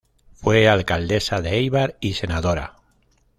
Fue alcaldesa de Éibar y senadora.